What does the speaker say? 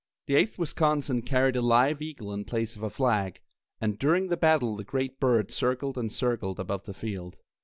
The Eighth Wisconsin carried a live eagle in place of a flag, and during the battle the great bird circled and circled above the field.